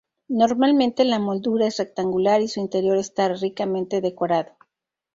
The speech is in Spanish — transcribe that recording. Normalmente la moldura es rectangular y su interior está ricamente decorado.